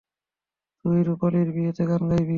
তুই ই রূপালির বিয়েতে গান গাইবি।